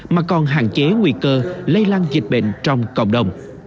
mà còn hạn chế nguy cơ lây lan dịch bệnh trong cộng đồng